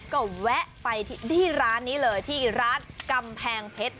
ก็แวะไปที่ร้านนี้เลยที่ร้านกำแพงเพชร